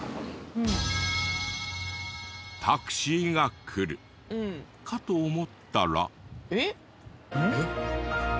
タクシーが来るかと思ったら。